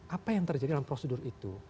apa yang terjadi dalam prosedur itu